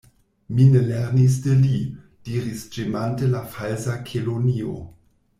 "Mi ne lernis de li," diris ĝemante la Falsa Kelonio.